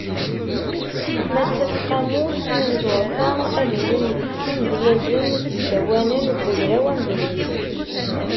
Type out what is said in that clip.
Ma d taseqqamut n yinẓurfa, ad ilin deg-s yimedyazen d yisdawanen n ugraw Amedyez.